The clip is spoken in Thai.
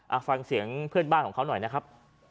เอาฟังเสียงเพื่อนบ้านของเขาหน่อยนะครับ